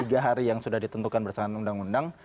tiga hari yang sudah ditentukan bersama undang undang